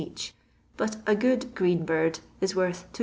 each, but a good " green bird" is worth 2s.